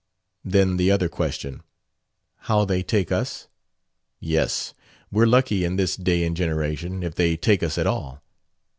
"Then the other question." "How they take us?" "Yes. We're lucky, in this day and generation, if they take us at all."